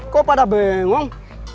kau bada bengong